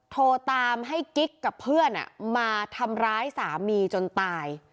โทรตามให้กิ๊กกับเพื่อนมาทำร้ายสามีจนตาย